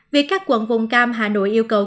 việc các quận vùng cam hà nội yêu cầu